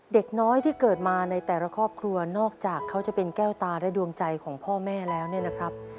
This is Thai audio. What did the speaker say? เด็กน้อยที่เกิดมาในแต่ละครอบครัวนอกจากเขาจะเป็นแก้วตาและดวงใจของพ่อแม่แล้วเนี่ยนะครับ